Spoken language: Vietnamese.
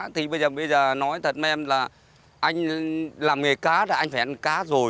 thì bây giờ nói thật với em là anh làm nghề cá thì anh phải ăn cá rồi